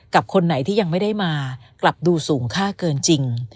คนไหนที่ยังไม่ได้มากลับดูสูงค่าเกินจริง